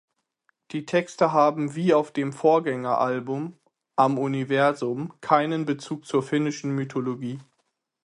Die Texte haben wie auf dem Vorgängeralbum "Am Universum" keinen Bezug zur finnischen Mythologie.